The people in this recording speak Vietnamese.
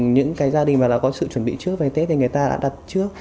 những cái gia đình mà đã có sự chuẩn bị trước về tết thì người ta đã đặt trước